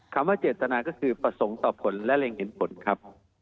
ว่าเจตนาก็คือประสงค์ต่อผลและเร็งเห็นผลครับ